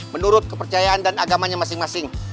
menurut kepercayaan dan agamanya masing masing